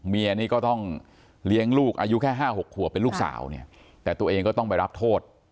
เมียนี่ก็ต้องเลี้ยงลูกอายุแค่๕๖ขวบเป็นลูกสาวเนี่ยแต่ตัวเองก็ต้องไปรับโทษ